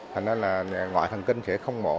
thế nên là ngoại thần kinh sẽ không mổ